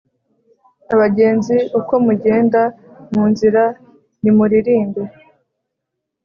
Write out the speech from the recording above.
Abagenzi uko mugenda mu nzira nimuririmbe